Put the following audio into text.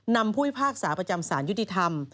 นำผู้พ่อภาคสาประจำสารยุติธรรม